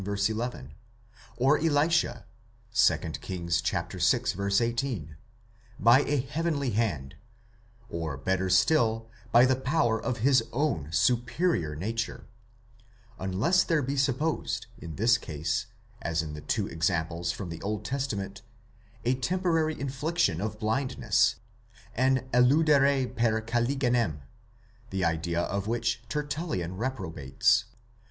11), or Elisha (2 Kings vi. 18), by a heavenly hand, or better still, by the power of his own superior nature ; unless there be supposed in this case, as in the two examples from the Old Testament, a temporary infliction of blindness, an ¢//udere per caliginem, the idea of which Tertullian reprobates.